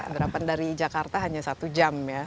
gerakan dari jakarta hanya satu jam ya